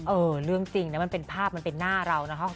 เออเรื่องจริงนะมันเป็นภาพมันเป็นหน้าเรานะคะ